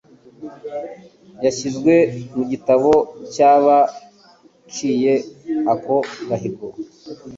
yashyizwe mu gitabo cyaba ciye ako gahigo